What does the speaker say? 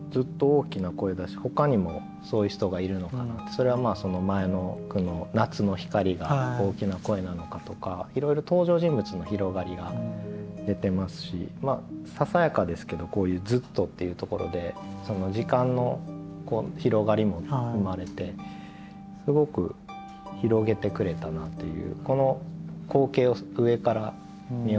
それは前の句の「夏の光」が「おおきなこえ」なのかとかいろいろささやかですけどこういう「ずっと」っていうところで時間の広がりも生まれてすごく広げてくれたなという。